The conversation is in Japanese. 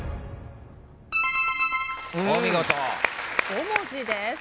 ５文字です。